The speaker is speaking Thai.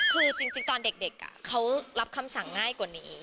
คือจริงตอนเด็กเขารับคำสั่งง่ายกว่านี้